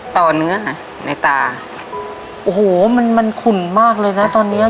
เนื้อในตาโอ้โหมันมันขุ่นมากเลยนะตอนเนี้ย